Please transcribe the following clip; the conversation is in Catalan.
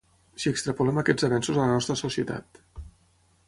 Si extrapolem aquests avenços a la nostra societat.